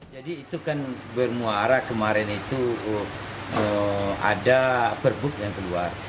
jadi itu kan bermuara kemarin itu ada perbup yang keluar